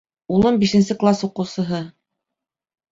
Улым бишенсе класс укыусыһы